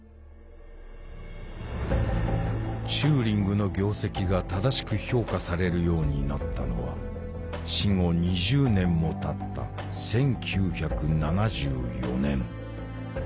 チューリングの業績が正しく評価されるようになったのは死後２０年もたった１９７４年。